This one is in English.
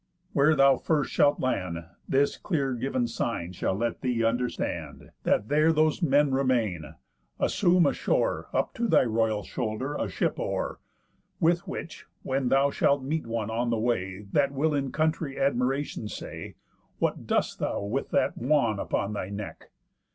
Where thou first shalt land, This clear giv'n sign shall let thee understand, That there those men remain: Assume ashore Up to thy royal shoulder a ship oar, With which, when thou shalt meet one on the way That will in country admiration say What dost thou with that wan upon thy neck?